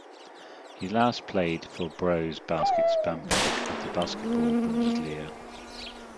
He last played for Brose Baskets Bamberg of the Basketball Bundesliga.